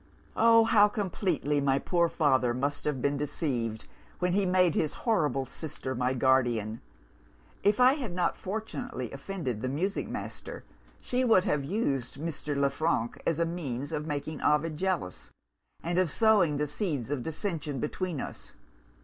Oh, how completely my poor father must have been deceived, when he made his horrible sister my guardian! If I had not fortunately offended the music master, she would have used Mr. Le Frank as a means of making Ovid jealous, and of sowing the seeds of dissension between us.